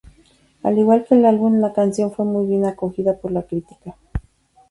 Al igual que el álbum, la canción fue muy bien acogida por la crítica.